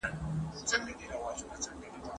هغه څوک چي پلان جوړوي منظم وي!